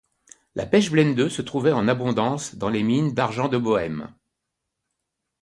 La pechblende se trouvait en abondance dans les mines d'argent de Bohême.